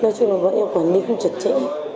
nói chung là bọn em quản lý không trật trễ